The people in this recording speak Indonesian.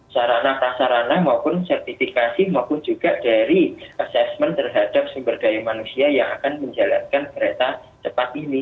sarana prasarana maupun sertifikasi maupun juga dari assessment terhadap sumber daya manusia yang akan menjalankan kereta cepat ini